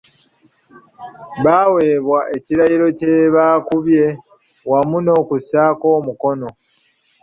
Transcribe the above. Baaweebwa ekirayiro kye baakubye wamu n'okussaako omukono.